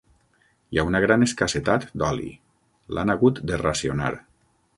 Hi ha una gran escassetat d'oli: l'han hagut de racionar.